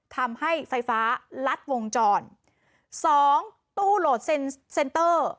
ทำให้ไฟฟ้าลัดวงจรสองตู้โหลดเซ็นเซนเตอร์